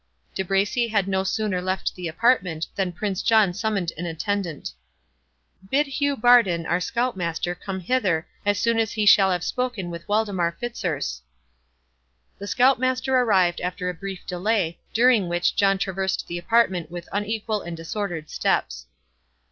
De Bracy had no sooner left the apartment than Prince John summoned an attendant. "Bid Hugh Bardon, our scout master, come hither, as soon as he shall have spoken with Waldemar Fitzurse." The scout master arrived after a brief delay, during which John traversed the apartment with, unequal and disordered steps.